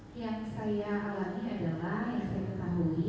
ketika yang terkari dalam